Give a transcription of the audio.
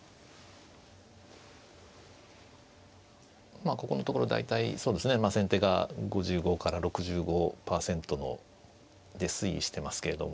まあここのところ大体先手が５５から６５％で推移してますけれども。